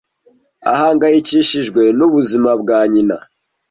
Ahangayikishijwe n'ubuzima bwa nyina.